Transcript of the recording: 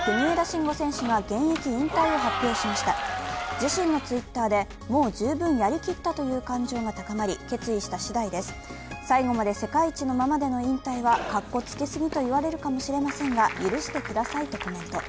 自身のＴｗｉｔｔｅｒで、もう十分やり切ったという感情が高まり決意したしだいです、最後まで世界一のままでの引退はカッコつけすぎと言われるかもしれませんが、許してくださいとコメント。